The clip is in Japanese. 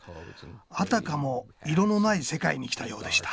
あたかも色のない世界に来たようでした。